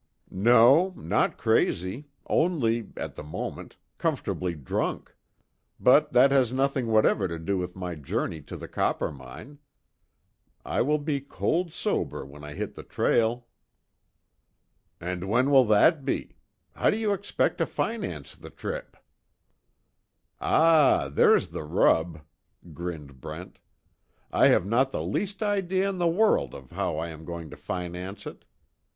"No, not crazy, only, at the moment, comfortably drunk. But that has nothing whatever to do with my journey to the Coppermine. I will be cold sober when I hit the trail." "And when will that be? How do you expect to finance the trip?" "Ah, there's the rub," grinned Brent, "I have not the least idea in the world of how I am going to finance it.